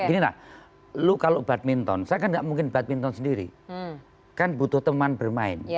beginilah lu kalau badminton saya kan tidak mungkin badminton sendiri kan butuh teman bermain